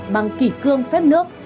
bằng kỷ cương phép nước